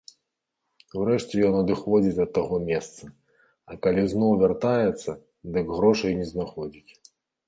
Урэшце ён адыходзіць ад таго месца, а калі зноў вяртаецца, дык грошай не знаходзіць.